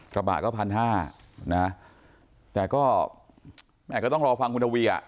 กระบะก็พันห้านะแต่ก็แม่ก็ต้องรอฟังคุณทวีอ่ะ